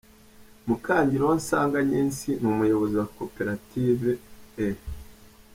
Mukangiruwonsanga Agnes ni umuyobozi wa Koperative I.